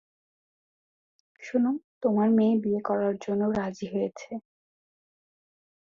শুনো, তোমার মেয়ে বিয়ে, করার জন্য রাজি হয়েছে।